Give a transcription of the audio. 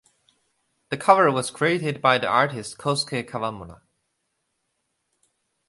The cover was created by the artist Kosuke Kawamura.